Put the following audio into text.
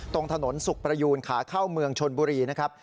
ตรงถนนสุขประยูนขาเข้าเมืองชนบุรีนะครับ